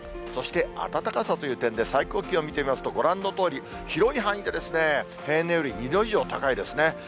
そして、暖かさという点で最高気温見てみますと、ご覧のとおり、広い範囲で、平年より２度以上高いですね。